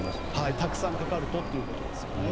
たくさんかかるとっていうことですね。